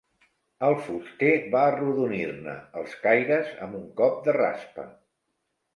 El fuster va arrodonir-ne els caires amb un cop de raspa.